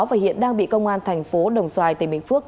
và hiện đang bị công an thành phố đồng xoài tỉnh bình phước